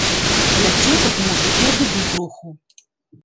Каля цётак, можа, і адыду троху.